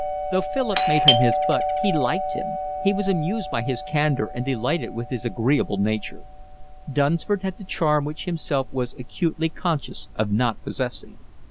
Though Philip made him his butt, he liked him; he was amused by his candour and delighted with his agreeable nature: Dunsford had the charm which himself was acutely conscious of not possessing.